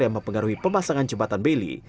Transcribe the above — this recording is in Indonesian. yang mempengaruhi pemasangan jembatan beli